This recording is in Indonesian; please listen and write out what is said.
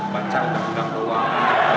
baca undang undang doang